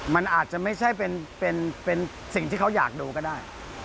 มันอาจจะไม่ใช่เป็นสิ่งที่เขาอยากดูก็ได้